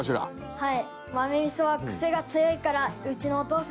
はい。